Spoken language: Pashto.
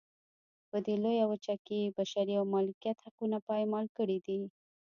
په دې لویه وچه کې یې بشري او مالکیت حقونه پایمال کړي دي.